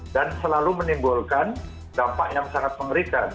dan selalu menimbulkan dampak yang sangat mengerikan